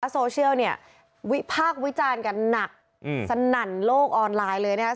อ่าเนี้ยภาควิจารณ์กันหนักอืมสนั่นโลกออนไลน์เลยนะครับ